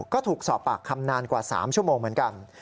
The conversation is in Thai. ก็ถูกสอบปากคำนานกว่า๓ชั่วโมงเหมือนกัน